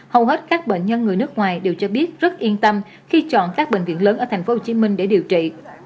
hầu hết các bệnh nhân người nước ngoài đều cho biết rất yên tâm khi chọn các bệnh viện lớn ở thành phố hồ chí minh để điều trị